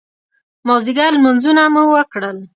مازدیګر لمونځونه مو وکړل.